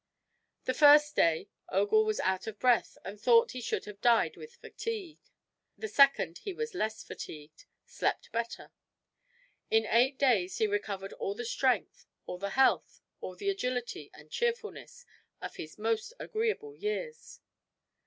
The first day Ogul was out of breath and thought he should have died with fatigue. The second he was less fatigued, slept better. In eight days he recovered all the strength, all the health, all the agility and cheerfulness of his most agreeable years.